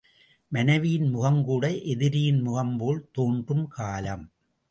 மனைவியின் முகம் கூட எதிரியின் முகம்போல் தோன்றும் காலம்.